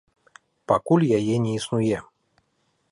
Пакуль яе не існуе.